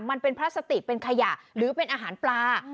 มันเป็นพลาสติกเป็นขยะหรือเป็นอาหารปลา